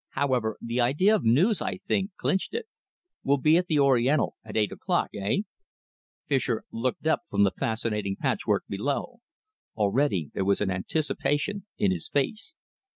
However, the idea of news, I think, clinched it. We'll be at the Oriental at eight o'clock, eh?" Fischer looked up from the fascinating patchwork below. Already there was anticipation in his face.